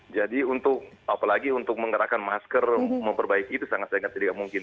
jadi untuk apalagi untuk menggerakkan masker memperbaiki itu sangat sangat tidak mungkin